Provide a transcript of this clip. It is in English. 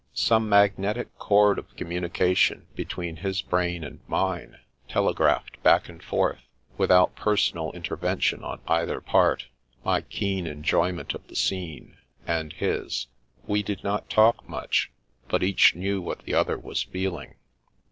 Some magnetic cord of communication between his brain and mine telegraphed back and forth, with out personal intervention on either part, my keen enjoyment of the scene, and his. We did not talk much, but each knew what the other was feeling.